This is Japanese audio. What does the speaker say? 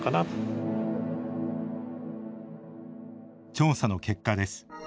調査の結果です。